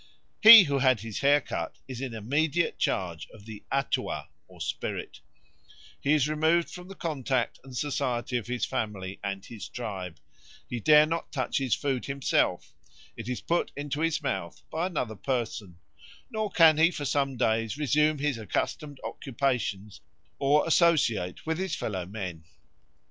"He who has had his hair cut is in immediate charge of the Atua (spirit); he is removed from the contact and society of his family and his tribe; he dare not touch his food himself; it is put into his mouth by another person; nor can he for some days resume his accustomed occupations or associate with his fellow men."